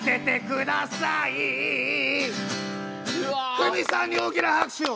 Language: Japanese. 芙美さんに大きな拍手を！